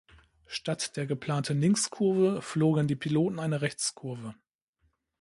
Statt der geplanten Linkskurve flogen die Piloten eine Rechtskurve.